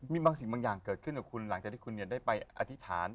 มีบางสิ่งบางอย่างเกิดขึ้นกับคุณหลังจากที่คุณได้ไปอธิษฐาน